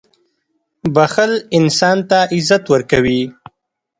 • بښل انسان ته عزت ورکوي.